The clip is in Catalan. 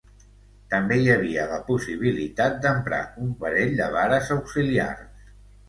També hi havia la possibilitat d'emprar un parell de vares auxiliars.